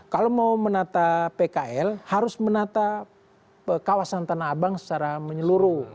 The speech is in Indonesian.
kalau mau menata pkl harus menata kawasan tanah abang secara menyeluruh